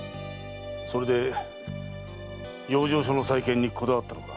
それで養生所の再建にこだわったのか。